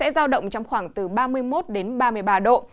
giao động trong khoảng từ ba mươi một đến ba mươi ba độ